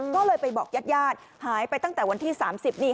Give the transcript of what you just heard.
ก็เลยไปบอกญาติญาติหายไปตั้งแต่วันที่๓๐นี่